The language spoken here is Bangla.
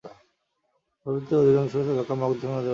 পরবর্তীতে এর অধিকাংশ এলাকা মগধ সাম্রাজ্যের অধীনে আসে।